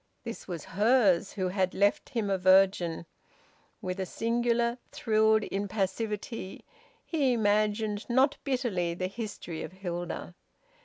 This was hers, who had left him a virgin. With a singular thrilled impassivity he imagined, not bitterly, the history of Hilda.